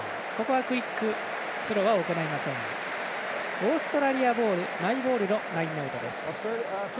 オーストラリアボールマイボールのラインアウト。